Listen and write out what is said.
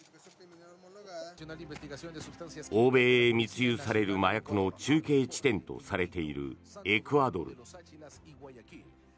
欧米へ密輸される麻薬の中継地点とされているエクアドル。